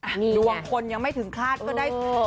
ดวงคนยังไม่ถึงคาดก็ได้